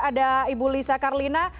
ada ibu lisa karlina